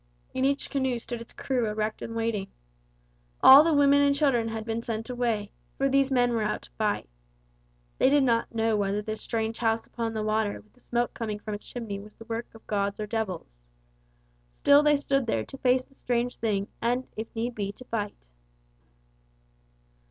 In each canoe stood its crew erect and waiting. All the women and children had been sent away, for these men were out to fight. They did not know whether this strange house upon the water with the smoke coming from its chimney was the work of gods or devils. Still they stood there to face the strange thing and, if need be, to fight.